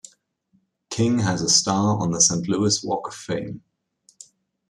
King has a star on the Saint Louis Walk of Fame.